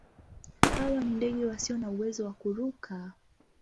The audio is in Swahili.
Hawa ni ndege wasio na uwezo wa kuruka.